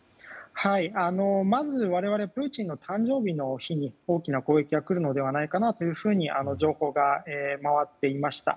まず我々はプーチンの誕生日の日に大きな攻撃が来るのではないかという情報が回っていました。